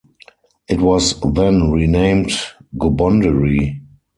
It was then renamed Gobondery.